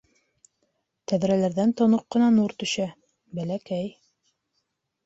Тәҙрәләрҙән тоноҡ ҡына нур төшә, бәләкәй.